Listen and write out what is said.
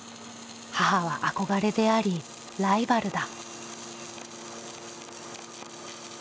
母は憧れでありライバルだ。